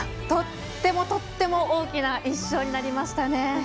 とってもとっても大きな１勝になりましたね。